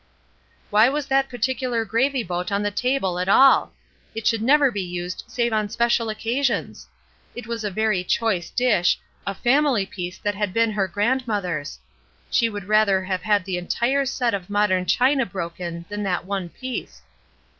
Why was that particular gravy boat on the table at all? It should never be used save on special occasions. It was a very choice dish, a family piece that had been her grandmother's. She would rather have had the entire set of modern china broken than that one piece.